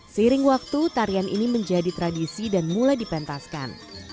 seiring waktu tarian ini menjadi tradisi dan mulai dipentaskan